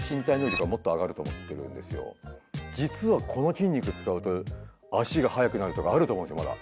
実はこの筋肉使うと足が速くなるとかあると思うんですよまだ。